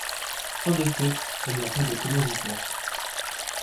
En effet, elle n'a pas de commanditaire.